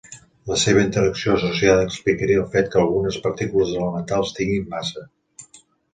La seva interacció associada explicaria el fet que algunes partícules elementals tinguin massa.